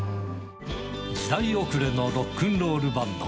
時代遅れのロックンロールバンド。